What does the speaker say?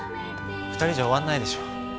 ２人じゃ終わんないでしょ。